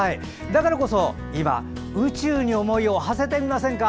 だからこそ今宇宙に思いをはせてみませんか。